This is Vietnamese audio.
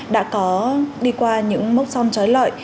đã có đi qua những mốc son chói lợi